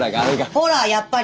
ほらやっぱり！